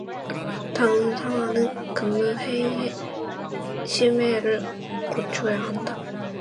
다음 사항은 국무회의의 심의를 거쳐야 한다.